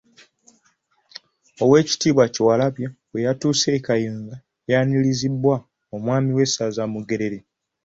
Oweekitiibwa Kyewalabye bwe yatuuse e Kayunga yayaniriziddwa omwami w’essaza Mugerere.